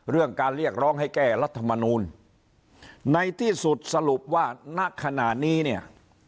เรื่องการเรียกร้องให้แก้รัฐมนูลในที่สุดสรุปว่าณขณะนี้เนี่ย